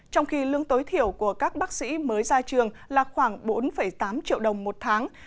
trong khi lương tối thiểu của các bác sĩ mới ra trường là khoảng bốn tám triệu đồng một tháng